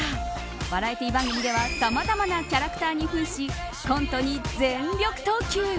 バラエティー番組ではさまざまなキャラクターに扮しコントに全力投球。